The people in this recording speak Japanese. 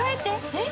えっ？